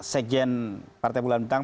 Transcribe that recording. sekian partai bulan betang